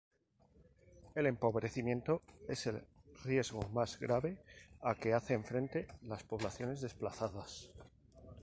El empobrecimiento es el riesgo más grave a que hacen frente las poblaciones desplazadas.